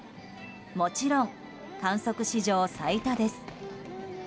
もちろん、観測史上最多です。